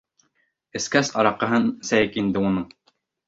Эскәс, араҡыһын эсәйек инде уның!